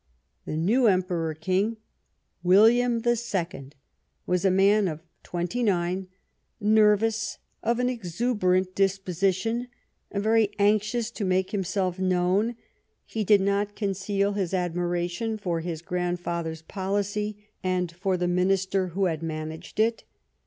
The new Emperor King, William II, was a man of twenty nine, nervous, of an exuberant disposi tion, very anxious to make himself wniiam'^n"' known ; he did not conceal his admira tion for his grandfather's policy and for the Minister who had m.anaged it.